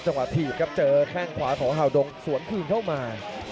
จังหวะถีบครับเจอแค่งขวาของเฮาดงสวนขึ้นเข้ามา